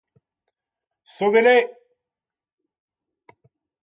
Sauvez-les !